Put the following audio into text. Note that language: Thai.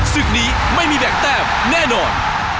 ศึกนี้ไม่มีแบ่งแต้มแน่นอน